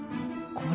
これ。